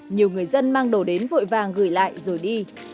nhiều người dân mang đồ đến vội vàng gửi lại rồi đi